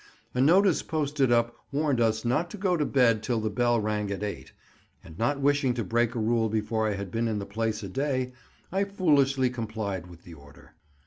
A notice posted up warned us not to go to bed till the bell rang at eight; and not wishing to break a rule before I had been in the place a day, I foolishly complied with the order.